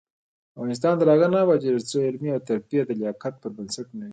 افغانستان تر هغو نه ابادیږي، ترڅو علمي ترفیع د لیاقت پر بنسټ نه وي.